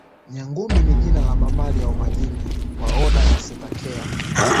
Nyangumi ni jina la mamalia wa majini wa oda ya Cetacea